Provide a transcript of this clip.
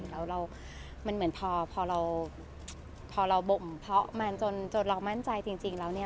แล้วมันเหมือนพอเราพอเราบ่มเพาะมันจนเรามั่นใจจริงแล้วเนี่ย